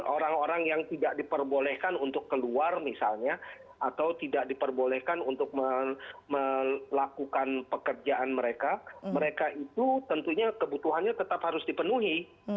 orang orang yang tidak diperbolehkan untuk keluar misalnya atau tidak diperbolehkan untuk melakukan pekerjaan mereka mereka itu tentunya kebutuhannya tetap harus dipenuhi